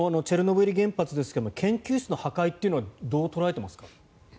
チェルノブイリ原発ですけども研究室の破壊というのはどう捉えていますか。